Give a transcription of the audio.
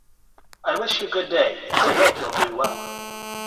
I wish you good day, and I hope you'll do well.